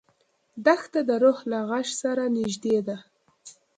دښته د روح له غږ سره نږدې ده.